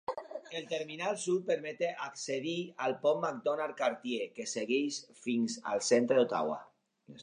El terminal sud permet accedir al pont Macdonald-Cartier, que segueix fins al centre d'Ottawa.